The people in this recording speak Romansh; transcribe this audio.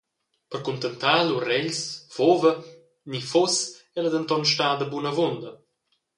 Per cuntentar lur regls fuva –ni fuss –ella denton stada buna avunda.